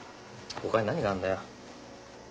ほかに何があんだよ。